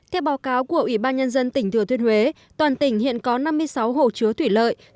theo báo cáo của ủy ban nhân dân tỉnh thừa thuyên huế toàn tỉnh hiện có năm mươi sáu hồ chứa thủy lợi